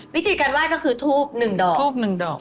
วิธีการว่ายก็คือทูบหนึ่งดอก